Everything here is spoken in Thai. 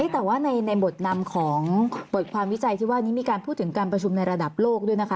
แต่ว่าในบทนำของบทความวิจัยที่ว่านี้มีการพูดถึงการประชุมในระดับโลกด้วยนะคะ